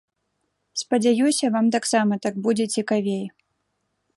Спадзяюся, вам таксама так будзе цікавей.